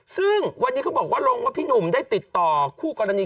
ซึ่งวันนี้เขาบอกว่าลงว่าพี่หนุ่มได้ติดต่อคู่กรณี